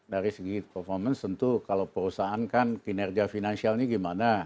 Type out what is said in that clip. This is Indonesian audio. dari segi performance tentu kalau perusahaan kan kinerja finansialnya gimana